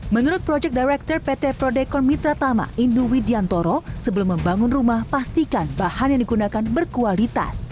menurut project director pt prodekon mitra tama indu widiantoro sebelum membangun rumah pastikan bahan yang digunakan berkualitas